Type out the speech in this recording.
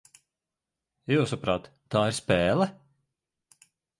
Jūsuprāt, tā ir spēle?